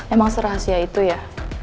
emang serahasia itu ya